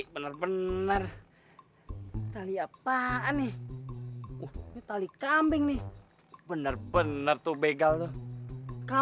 bener bener kamu gak bakal ketawa anak anak kurang kaya